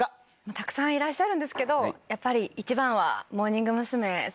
たくさんいらっしゃるんですけどやっぱり一番は。